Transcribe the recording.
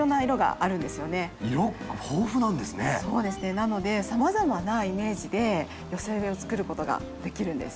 なのでさまざまなイメージで寄せ植えを作ることができるんです。